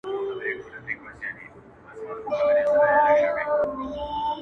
د کلي حوري په ټول کلي کي لمبې جوړي کړې.